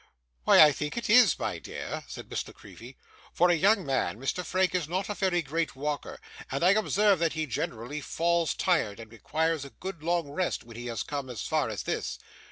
'Why I think it is, my dear,' said Miss La Creevy. 'For a young man, Mr Frank is not a very great walker; and I observe that he generally falls tired, and requires a good long rest, when he has come as far as this.